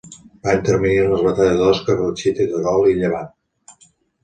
Va intervenir en les batalles d'Osca, Belchite, Terol i Llevant.